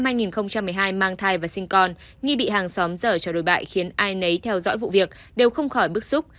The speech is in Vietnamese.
năm hai nghìn một mươi hai mang thai và sinh con nghi bị hàng xóm dở cho đồi bại khiến ai nấy theo dõi vụ việc đều không khỏi bức xúc